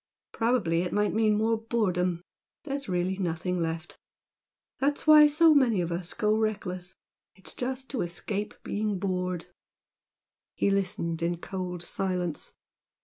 Probably it might mean more boredom. There's really nothing left. That's why so many of us go reckless it's just to escape being bored." He listened in cold silence.